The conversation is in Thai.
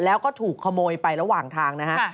แล้วก็ถูกขโมยไประหว่างทางนะฮะ